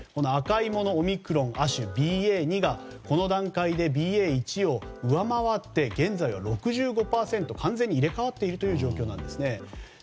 赤いものはオミクロン亜種ＢＡ．２がこの段階でＢＡ．１を上回って現在は６５％、完全に入れ替わっている状況なんです。